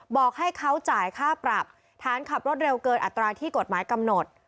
บอกให้เขาจ่ายค่าปรับฐานขับรถเร็วเกินอัตราที่กฎหมายกำหนด